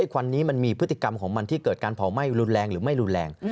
ควันนี้มันมีพฤติกรรมของมันที่เกิดการเผาไหม้รุนแรงหรือไม่รุนแรง